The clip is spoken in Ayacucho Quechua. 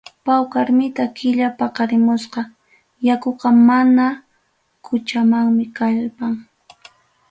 Pawqar mita killa paqarimuqpa, yakuqa mama quchamanmi kallpan.